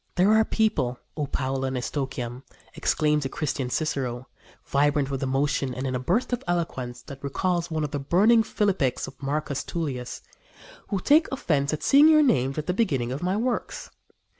"There are people, O Paula and Eustochium," exclaims the Christian Cicero, vibrant with emotion and in a burst of eloquence that recalls one of the burning philippics of Marcus Tullius, "who take offence at seeing your names at the beginning of my works.